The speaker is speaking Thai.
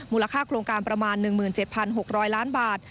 ค่าโครงการประมาณ๑๗๖๐๐ล้านบาท